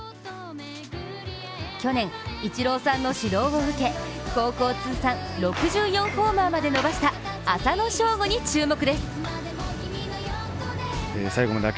去年、イチローさんの指導を受け高校通算６４ホーマーまで伸ばした浅野翔吾に注目です。